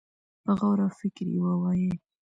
په غور او فکر يې ووايي.